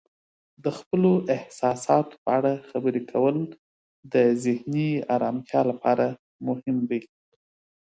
د خپلو احساساتو په اړه خبرې کول د ذهني آرامتیا لپاره مهم دی.